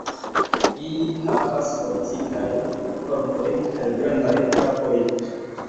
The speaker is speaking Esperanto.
Ili havas fortikajn korpojn kaj grandajn kapojn.